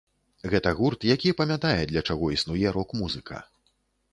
Гэта гурт, які памятае, для чаго існуе рок-музыка.